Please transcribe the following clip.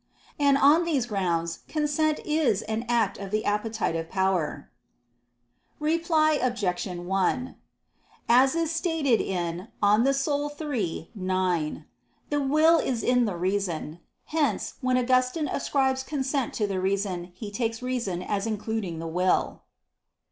And on these grounds consent is an act of the appetitive power. Reply Obj. 1: As stated in De Anima iii, 9, "the will is in the reason." Hence, when Augustine ascribes consent to the reason, he takes reason as including the will.